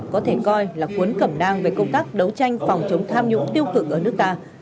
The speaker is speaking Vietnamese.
có thể coi là cuốn cẩm nang về công tác đấu tranh phòng chống tham nhũng tiêu cực ở nước ta